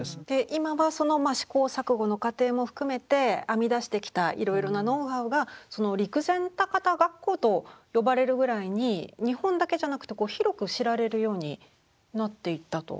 今はその試行錯誤の過程も含めて編み出してきたいろいろなノウハウがその陸前高田学校と呼ばれるぐらいに日本だけじゃなくて広く知られるようになっていったと？